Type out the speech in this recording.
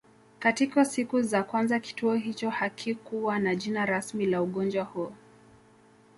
Katika siku za kwanza kituo hicho hakikuwa na jina rasmi la ugonjwa huu